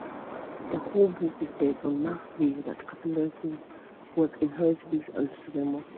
The whole book is based on Marx's view that capitalism was inherently unsustainable.